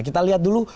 kita lihat dulu